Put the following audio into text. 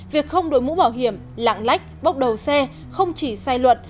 việc không đội mũ bảo hiểm lạng lách bóc đầu xe không chỉ sai luận